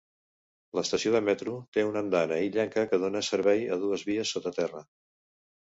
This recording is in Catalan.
L'estació de metro té una andana illenca que dóna servei a dues vies sota terra.